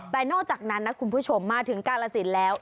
แต่นอกจากนั้นนะคุณผู้ชมมาถึงกาลสินแล้ว